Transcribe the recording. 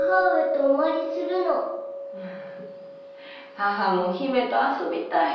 母も姫と遊びたい！